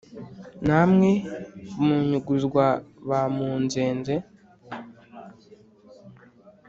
Namwe bunyuguzwa ba Munzenze